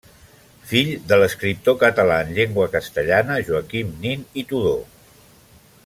Fill de l'escriptor català en llengua castellana, Joaquim Nin i Tudó.